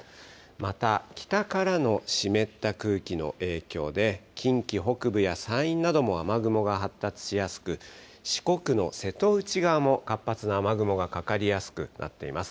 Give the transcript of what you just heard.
また北からの湿った空気の影響で、近畿北部や山陰なども雨雲が発達しやすく、四国の瀬戸内側も活発な雨雲がかかりやすくなっています。